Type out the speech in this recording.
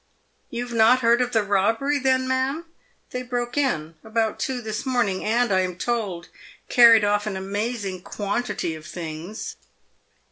" You have not heard of the robbery, then, ma'am ? They broke in about two this morning, and, I am told, car ried off an amazing quantity of things."